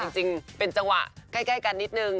จริงเป็นจังหวะใกล้กันนิดนึง